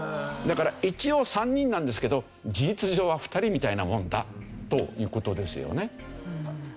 だから一応３人なんですけど事実上は２人みたいなもんだという事ですよね。